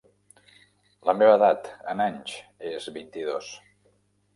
La meva edat, en anys, és vint-i-dos.